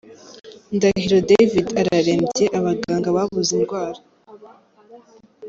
Ndahiro David ararembye, abaganga babuze indwara.